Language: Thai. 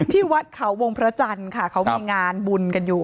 ที่วัดเขาวงพระจันทร์ค่ะเขามีงานบุญกันอยู่